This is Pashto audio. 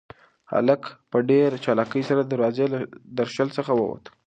هلک په ډېر چالاکۍ سره د دروازې له درشل څخه ووت.